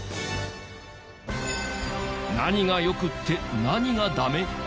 何が良くって何がダメ？